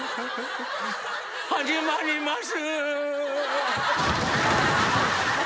始まります。